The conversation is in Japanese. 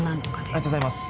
ありがとうございます